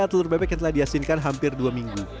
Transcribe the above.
ini telur bebek yang telah diasinkan hampir dua minggu